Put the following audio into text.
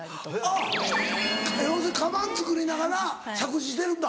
あっ要するにカバン作りながら作詞してるんだ。